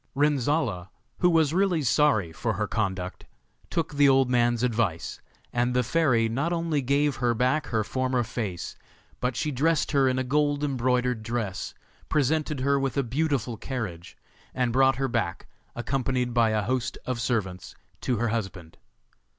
Renzolla, who was really sorry for her conduct, took the old man's advice, and the fairy not only gave her back her former face, but she dressed her in a gold embroidered dress, presented her with a beautiful carriage, and brought her back, accompanied by a host of servants, to her husband.